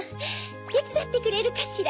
てつだってくれるかしら？